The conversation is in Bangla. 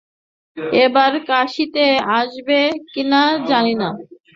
এবার কাশীতে আসবে কিনা জানি না।